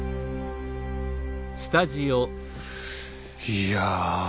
いや。